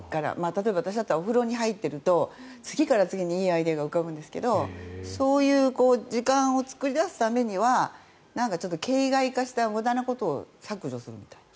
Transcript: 例えば私だったらお風呂に入っていると次から次にいいアイデアが浮かぶんですけどそういう時間を作り出すためには形骸化した無駄なことを削除するみたいな。